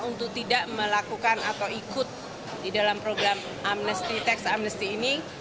untuk tidak melakukan atau ikut di dalam program amnesty teks amnesty ini